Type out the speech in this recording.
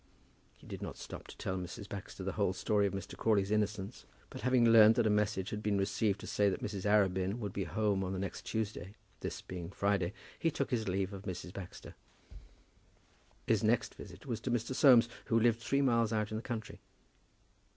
He did not stop to tell Mrs. Baxter the whole story of Mr. Crawley's innocence; but having learned that a message had been received to say that Mrs. Arabin would be home on the next Tuesday, this being Friday, he took his leave of Mrs. Baxter. His next visit was to Mr. Soames, who lived three miles out in the country.